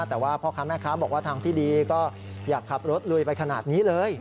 แต่ว่าพ่อค้าแม่ค้าบอกว่าทางที่ดีก็อยากขับรถลุยไปขนาดนี้เลย